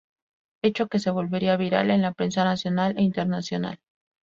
Hecho que se volvería viral en la prensa nacional e internacional.